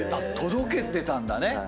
届けてたんだね。